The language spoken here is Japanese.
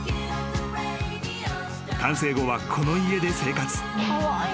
［完成後はこの家で生活］